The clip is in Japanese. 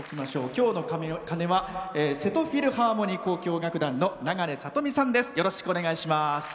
今日の鐘は瀬戸フィルハーモニー交響楽団の永礼さとみさんです。